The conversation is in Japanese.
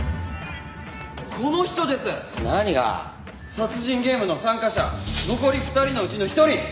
殺人ゲームの参加者残り２人のうちの一人。